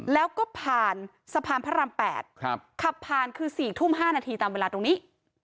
แล้วก็ผ่านสะพานพระราม๘ขับผ่านคือ๔ทุ่ม๕นาทีตามเวลาตรงนี้